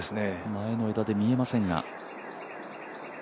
前の枝で見えませんが。